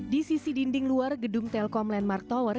di sisi dinding luar gedung telkom landmark tower